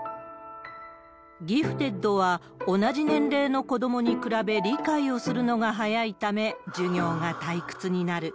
ギフテッドは、同じ年齢の子どもに比べ理解をするのが速いため、授業が退屈になる。